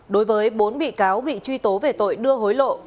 đối với bốn bị cáo bị truy tố về tội đưa hối lộ